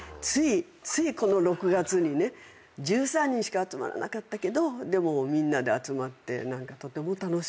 ついこの６月にね１３人しか集まらなかったけどでもみんなで集まってとても楽しかった。